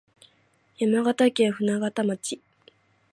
山形県舟形町